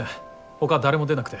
ほか誰も出なくて。